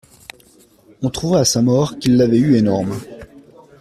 On trouva à sa mort qu'il l'avait eu énorme.